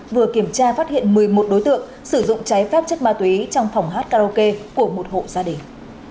vừa kiểm tra phát hiện một mươi một đối tượng sử dụng trái phép chất ma túy trong phòng hát karaoke của một hộ gia đình